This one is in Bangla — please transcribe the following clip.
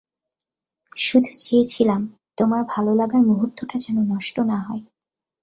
শুধু চেয়েছিলাম তোমার ভালোলাগার মুহূর্তটা যেন নষ্ট না হয়।